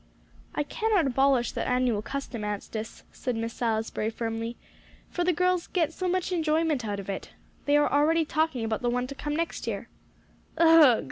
"I cannot abolish that annual custom, Anstice," said Miss Salisbury firmly, "for the girls get so much enjoyment out of it. They are already talking about the one to come next year." "Ugh!"